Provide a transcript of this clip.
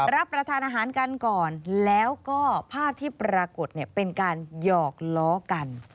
รับประทานอาหารกันก่อนแล้วก็ภาพที่ปรากฏเนี่ยเป็นการหยอกล้อกัน